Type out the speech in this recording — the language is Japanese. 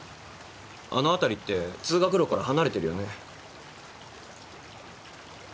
あの辺りって通学路から離れてるよね。